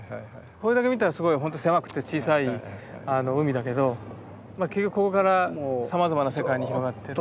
これだけ見たらすごいほんと狭くて小さい海だけど結局ここからさまざまな世界に広がってる。